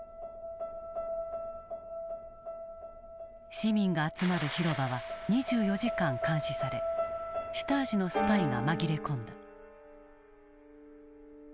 市民が集まる広場は２４時間監視されシュタージのスパイが紛れ込んだ。